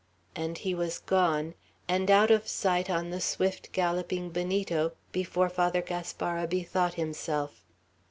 And he was gone, and out of sight on the swift galloping Benito, before Father Gaspara bethought himself.